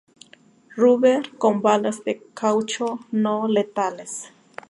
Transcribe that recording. Rubber, con balas de caucho no letales.